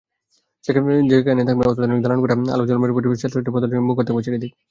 যেখানে থাকবে অত্যাধুনিক দালানকোঠা, আলো ঝলমলে পরিবেশে ছাত্রছাত্রীর পদচারণায় মুখর থাকবে চারদিক।